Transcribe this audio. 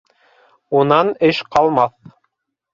— Унан эш ҡалмаҫ.